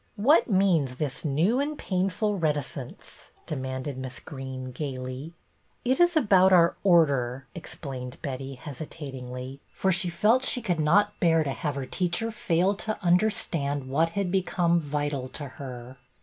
" What means this new and painful reti cence.''" demanded Miss Greene, gayly. " It is about our Order," explained Betty, hesitatingly ; for she felt she could not bear 222 BETTY BAIRD to have her teacher fail to understand what had become vital to her.